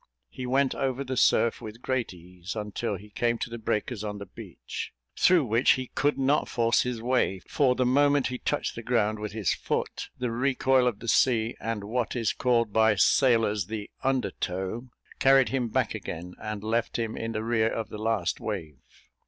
He went over the surf with great ease, until he came to the breakers on the beach, through which he could not force his way; for the moment he touched the ground with his foot, the recoil of the sea, and what is called by sailors the undertow, carried him back again, and left him in the rear of the last wave.